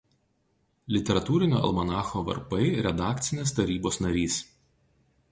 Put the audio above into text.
Literatūrinio almanacho „Varpai“ redakcinės tarybos narys.